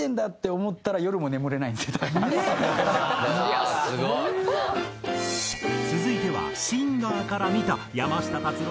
いやあすごい！続いては。